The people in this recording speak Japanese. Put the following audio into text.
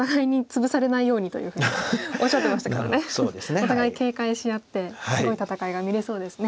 お互い警戒し合ってすごい戦いが見れそうですね。